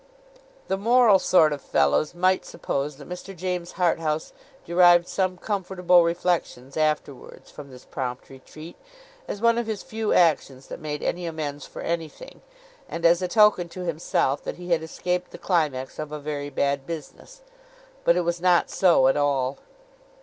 The moral sort of fellows might suppose that Mr. James Harthouse derived some comfortable reflections afterwards, from this prompt retreat, as one of his few actions that made any amends for anything, and as a token to himself that he had escaped the climax of a very bad business. But it was not so, at all.